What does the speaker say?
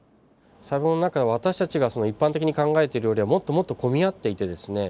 細胞の中は私たちが一般的に考えているよりはもっともっと混み合っていてですね